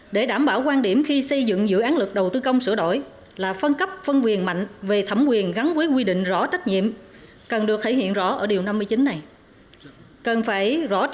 để đảm bảo quan điểm khi xây dựng dự án lực đầu tư công sửa đổi là phân cấp phân quyền mạnh về thẩm quyền gắn với quy định rõ trách nhiệm cần được thể hiện rõ ở điều năm mươi chín này